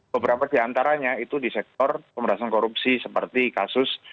beberapa di antaranya itu di sektor pemerintahan korupsi seperti kasus